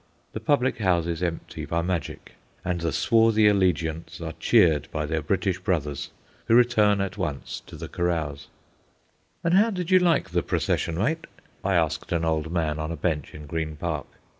The public houses empty by magic, and the swarthy allegiants are cheered by their British brothers, who return at once to the carouse. "And how did you like the procession, mate?" I asked an old man on a bench in Green Park.